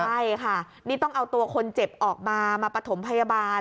ใช่ค่ะนี่ต้องเอาตัวคนเจ็บออกมามาปฐมพยาบาล